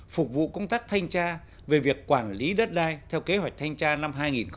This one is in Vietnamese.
phục vụ công tác thanh tra về việc quản lý đất đai theo kế hoạch thanh tra năm hai nghìn hai mươi